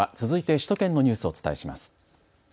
続いて首都圏のニュースをお伝えします。